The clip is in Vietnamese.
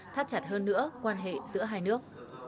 thắt chặt hơn nữa quan hệ giữa hai nước